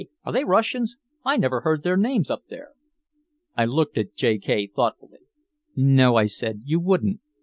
Are they Russians? I never heard their names up there." I looked at J. K. thoughtfully. "No," I said. "You wouldn't.